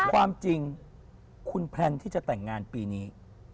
ความจริงคุณแพลนที่จะแต่งงานปีนี้